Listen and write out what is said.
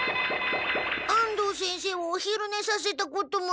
安藤先生をおひるねさせたこともない。